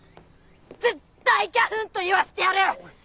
絶対ぎゃふんと言わしてやる！